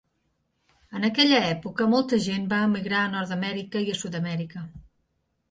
En aquella època molta gent va emigrar a Nord-Amèrica i Sud-Amèrica.